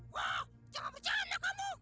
wah jangan bercanda kamu